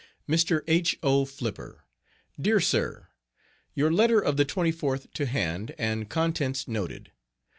MR. H. O. FLIPPER. DEAR SIR: Your letter of the 24th to hand, and contents noted.